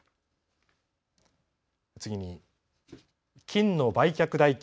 次に、金の売却代金